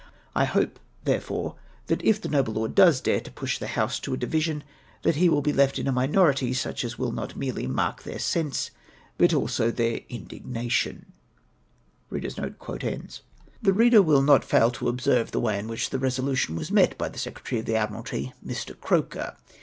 I hope, therefore, that if the noble lord does dare to push the House to a division, that he will be left in a minority such as will not merely mark their sense, but also their indignation." The reader ^Yl\l not fhil to observe the way in which the resolution was met by the Secretary of the Achni I'ulty, Mr. Croker.